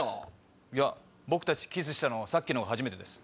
いや僕たちキスしたのはさっきのが初めてです。